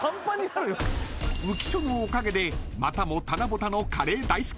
［浮所のおかげでまたも棚ぼたのカレー大好きチーム］